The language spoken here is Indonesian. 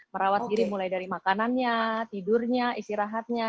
merawat diri mulai dari makanannya tidurnya istirahatnya